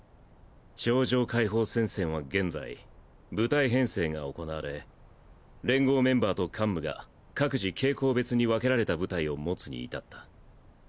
超常解放戦線は現在部隊編成が行われ連合メンバーと幹部が各自傾向別に分けられた部隊を持つに至った。